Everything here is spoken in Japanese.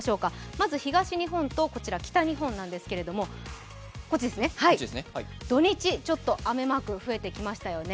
まず東日本と北日本ですが、土日、ちょっと雨マーク増えてきましたよね。